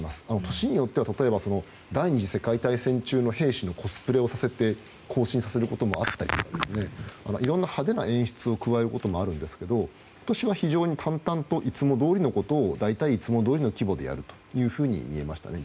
年によっては例えば第２次世界大戦中の兵士のコスプレをさせて行進させることもあったりとかいろんな派手な演出を加えることもあるんですけど今年は淡々といつもどおりのことを大体いつもどおりの規模でやるというように見えましたね。